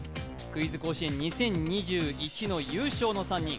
クイズ甲子園２０２１の優勝の３人。